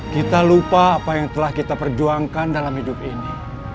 kita lupa apa yang telah kita perjuangkan dalam hidup ini